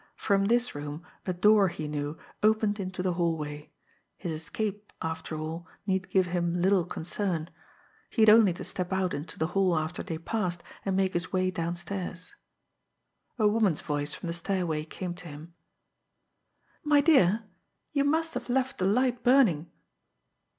From this room a door, he knew, opened into the hallway. His escape, after all, need give him little concern. He had only to step out into the hall after they passed, and make his way downstairs. A woman's voice from the stairway came to him: "My dear, you must have left the light burning."